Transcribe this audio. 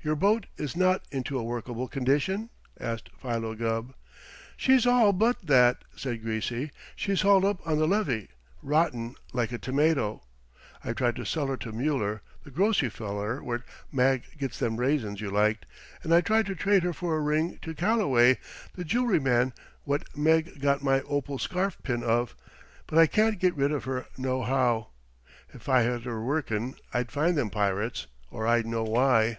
"Your boat is not into a workable condition?" asked Philo Gubb. "She's all but that," said Greasy. "She's hauled up on the levee, rottin' like a tomato. I tried to sell her to Muller, the grocery feller where Mag gets them raisins you liked, and I tried to trade her for a ring to Calloway, the jewelry man what Mag got my opal scarf pin of, but I can't get rid of her nohow. If I had her workin' I'd find them pirates or I'd know why."